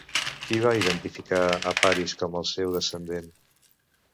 Qui va identificar a Paris com el seu descendent?